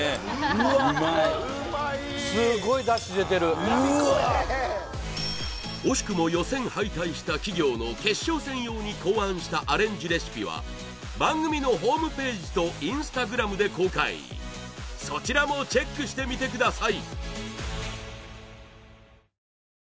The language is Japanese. うわっ惜しくも予選敗退した企業の決勝戦用に考案したアレンジレシピは番組のホームページとインスタグラムで公開そちらもチェックしてみてください